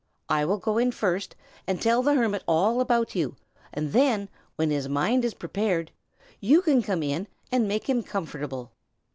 I will go in first, and tell the hermit all about you; and then, when his mind is prepared, you can come in and make him comfortable."